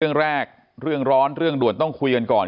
เรื่องแรกเรื่องร้อนเรื่องด่วนต้องคุยกันก่อน